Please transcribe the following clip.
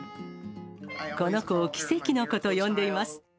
この子を奇跡の子と呼んでいます。